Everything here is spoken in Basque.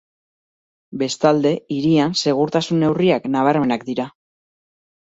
Bestalde, hirian segurtasun neurriak nabarmenak dira.